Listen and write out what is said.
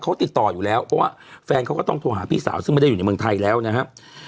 เขาติดต่ออยู่แล้วเพราะว่าแฟนเขาก็ต้องโทรหาพี่สาวซึ่งไม่ได้อยู่ในเมืองไทยแล้วนะครับ